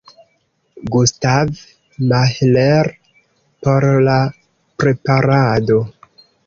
Gustav Mahler por la preparado.